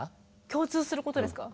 共通することですか？